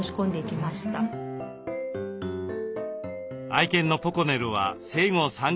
愛犬のポコネルは生後３か月。